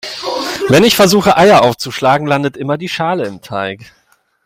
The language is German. Wenn ich versuche Eier aufzuschlagen, landet immer Schale im Teig.